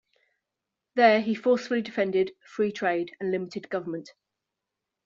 There, he forcefully defended free trade and limited government.